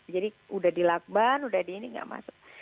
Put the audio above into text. jadi udah dilakban udah di ini nggak masuk